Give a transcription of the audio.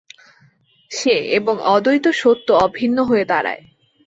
সে এবং অদ্বৈত সত্য অভিন্ন হয়ে দাঁড়ায়।